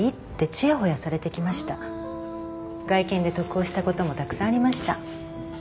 外見で得をしたこともたくさんありました。